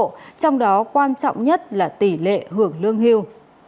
trong đó quan trọng nhất là tỷ lệ hưởng lương hưu